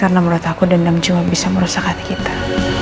karena menurut aku dendam cuma bisa merusak hati kita